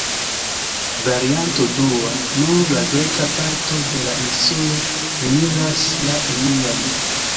Varianto dua: nur la greka parto de la insulo eniras la Union.